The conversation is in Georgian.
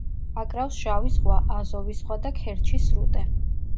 აკრავს შავი ზღვა, აზოვის ზღვა და ქერჩის სრუტე.